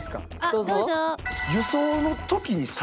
どうぞ。